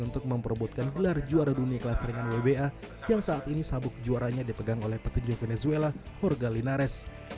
untuk memperebutkan gelar juara dunia kelas ringan wba yang saat ini sabuk juaranya dipegang oleh petinju venezuela hurgalinares